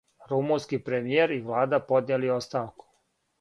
Румунски премијер и влада поднијели оставку